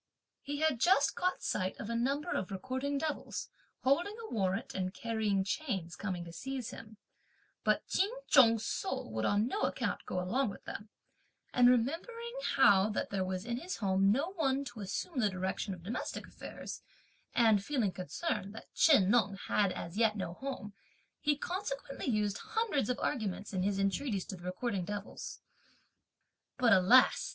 He had just caught sight of a number of recording devils, holding a warrant and carrying chains, coming to seize him, but Ch'in Chung's soul would on no account go along with them; and remembering how that there was in his home no one to assume the direction of domestic affairs, and feeling concerned that Chih Neng had as yet no home, he consequently used hundreds of arguments in his entreaties to the recording devils; but alas!